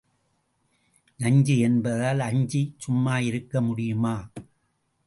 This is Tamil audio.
நஞ்சு என்பதால் அஞ்சிச் சும்மா இருக்க முடியுமா?